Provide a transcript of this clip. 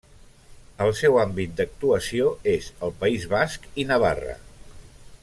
El seu àmbit d'actuació és el País Basc i Navarra.